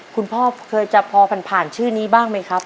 คุณพ่อเคยจะพอผ่านชื่อนี้บ้างไหมครับ